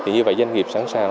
như vậy doanh nghiệp sẵn sàng